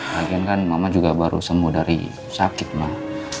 lagian kan mama juga baru sembuh dari sakit mak